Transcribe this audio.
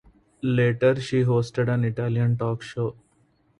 Later, she hosted an Italian talk show.